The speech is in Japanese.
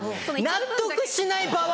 納得しない場合。